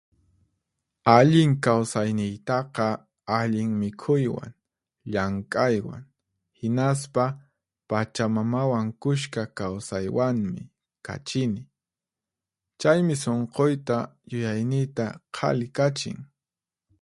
Allin kawsayniytaqa allin mikhuywan, llank'aywan, hinaspa pachamamawan kushka kawsaywanmi kachini. Chaymi sunquyta, yuyayniyta qhali kachin.